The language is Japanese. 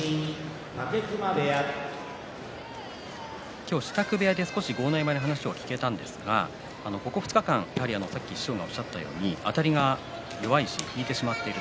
今日、支度部屋で少し豪ノ山に話を聞けたんですがここ２日間さっき師匠がおっしゃったようにあたりが弱いし引いてしまっている。